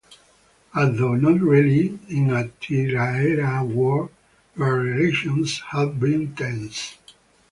Although not really in a tiraera war, their relations have been tense.